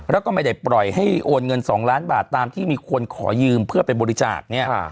แล้วก็ไม่ได้ปล่อยให้โอนเงิน๒ล้านบาทตามที่มีคนขอยืมเพื่อไปบริจาคเนี่ย